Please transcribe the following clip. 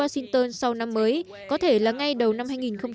washington sau năm mới có thể là ngay đầu năm hai nghìn một mươi chín